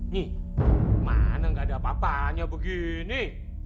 nih mana gak ada apa apanya begini